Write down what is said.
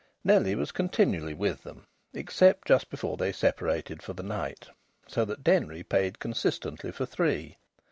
Nellie was continually with them, except just before they separated for the night. So that Denry paid consistently for three.